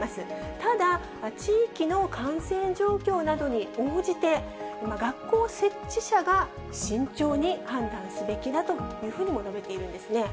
ただ、地域の感染状況などに応じて、学校設置者が慎重に判断すべきだというふうにも述べているんですね。